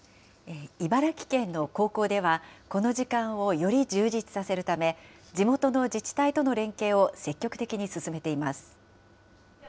茨城県の高校では、この時間をより充実させるため、地元の自治体との連携を積極的に進めています。